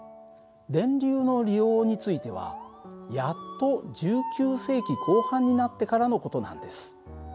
電流の利用についてはやっと１９世紀後半になってからの事なんです。